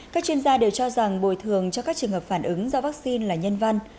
các chuyên gia đều cho rằng bồi thường cho các trường hợp phản ứng do vaccine là nhân văn